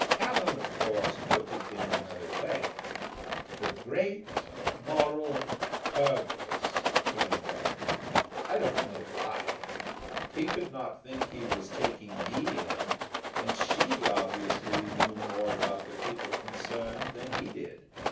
Callan, of course, put it in another way. The Great Moral Purpose turned up, I don't know why. He could not think he was taking me in and she obviously knew more about the people concerned than he did.